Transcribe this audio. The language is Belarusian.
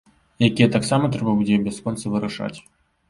Якія таксама трэба будзе бясконца вырашаць.